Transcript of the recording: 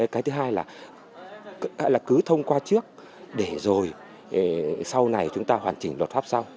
cái thứ hai là cứ thông qua trước để rồi sau này chúng ta hoàn chỉnh luật pháp sau